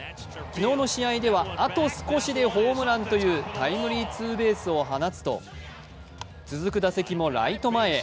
昨日の試合ではあと少しでホームランというタイムリーツーベースを放つと、続く打席もライト前へ。